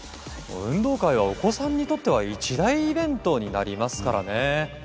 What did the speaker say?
運動会はお子さんにとっては一大イベントになりますからね。